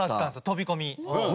飛び込み。